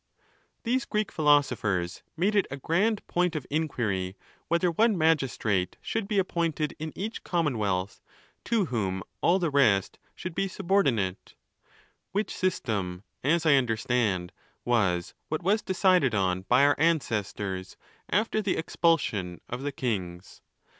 —These Greek philosophers made it a grand point of inquiry whether one magistrate should be appointed in each commonwealth, to whom all the rest should be subor dinate ; which system, as I understand, was what was decided on by our ancestors, after the expulsion of the kings.